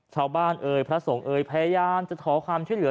เอ่ยพระสงฆ์เอ่ยพยายามจะขอความช่วยเหลือ